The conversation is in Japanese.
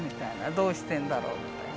「どうしてんだろう」みたいな。